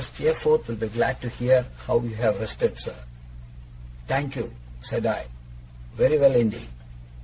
Steerforth will be glad to hear how you have rested, sir.' 'Thank you,' said I, 'very well indeed.